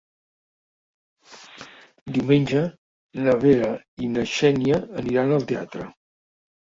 Diumenge na Vera i na Xènia aniran al teatre.